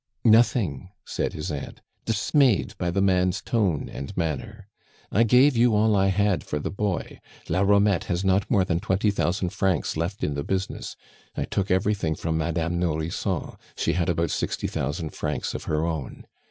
"Nothing," said his aunt, dismayed by the man's tone and manner. "I gave you all I had for the boy. La Romette has not more than twenty thousand francs left in the business. I took everything from Madame Nourrisson; she had about sixty thousand francs of her own.